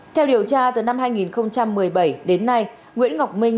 theo điều tra từ năm hai nghìn một mươi bảy đến nay nguyễn ngọc minh